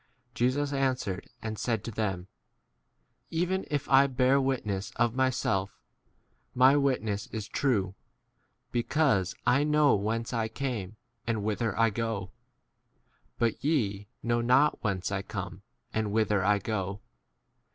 Jesus answered and said to them, Even if I * bear witness of myself, my witness is true, be cause I know whence I came and whither I go : but ye * know not whence I come and e whither I go.